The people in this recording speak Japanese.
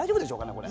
これ。